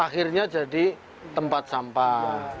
akhirnya jadi tempat sampah